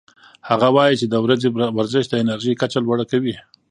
هغه وايي چې د ورځې ورزش د انرژۍ کچه لوړه کوي.